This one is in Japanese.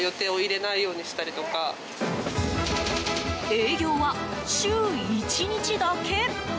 営業は週１日だけ？